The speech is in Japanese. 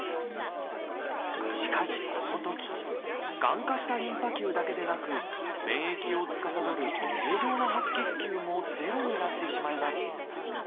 しかしこのときがん化したリンパ球だけでなく免疫をつかさどる正常な白血球もゼロになってしまいます。